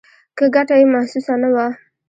که ګټه یې محسوسه نه وه.